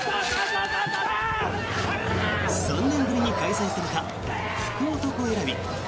３年ぶりに開催された福男選び。